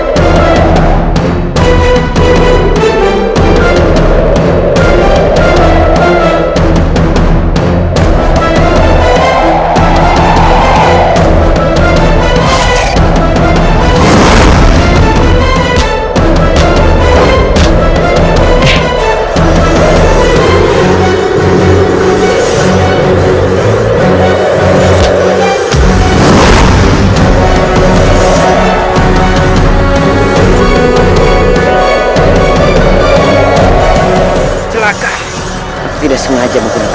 terus memberkati melrome di alarm lines